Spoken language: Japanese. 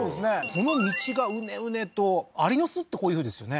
この道がウネウネとアリの巣ってこういうふうですよね